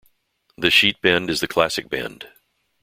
The sheet bend is the classic bend.